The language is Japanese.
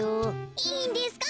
いいんですか？